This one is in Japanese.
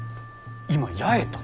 今八重と。